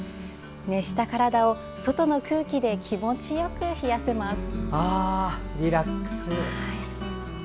熱した体を外の空気で気持ちよく冷やせます。